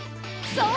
そう！